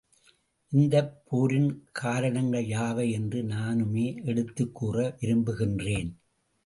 இந்தப் போரின் கார ணங்கள் யாவை என்று நானுமே எடுத்துக் கூற விரும்பு கின்றேன்.